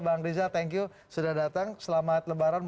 bang riza thank you sudah datang selamat lebaran